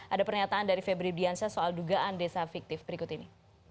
ada pernyataan dari febri diansyah soal dugaan desa fiktif berikut ini